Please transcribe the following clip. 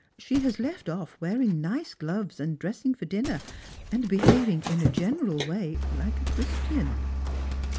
She has left off wearing nice gloves, and •liessing for dinner, and behaving in a general way like a CJiristian."